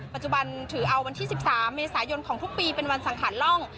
ปัจจุบันถือเอาวันที่๑๓เมษายนของทุกปีเป็นวันสังขารล่อง